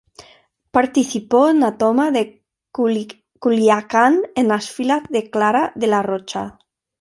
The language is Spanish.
Participó en la toma de Culiacán, en las filas de Clara de la Rocha.